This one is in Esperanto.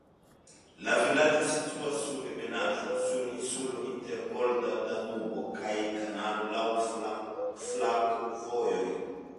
La vilaĝo situas sur ebenaĵo, sur insulo inter olda Danubo kaj kanalo, laŭ flankovojoj.